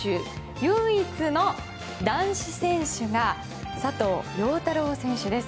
唯一の男子選手が佐藤陽太郎選手です。